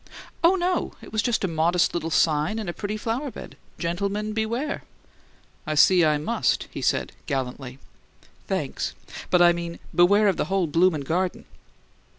"Oh, no. It was just a modest little sign in a pretty flower bed: 'Gentlemen, beware!'" "I see I must," he said, gallantly. "Thanks! But I mean, beware of the whole bloomin' garden!"